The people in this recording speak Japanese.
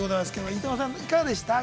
飯豊さん、いかがでしたか。